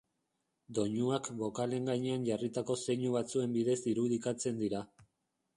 Doinuak bokalen gainean jarritako zeinu batzuen bidez irudikatzen dira.